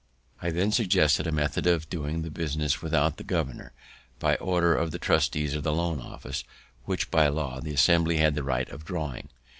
I then suggested a method of doing the business without the governor, by orders on the trustees of the Loan office, which, by law, the Assembly had the right of drawing.